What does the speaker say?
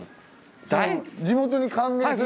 地元に還元する。